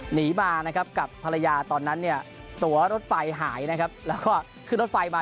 หนีมานะครับกับภรรยาตอนนั้นเนี่ยตัวรถไฟหายนะครับแล้วก็ขึ้นรถไฟมา